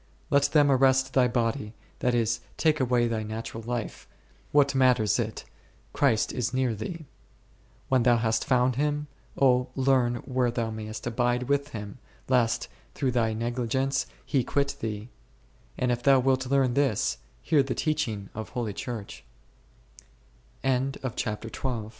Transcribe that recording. Let them arrest thy body, that is, take away thy natural life, what matters it, Christ is near thee. When thou hast found Him, O then learn where thou mayest abide with Him, lest , through thy negligence, He quit thee ; and if thou wilt learn this, hear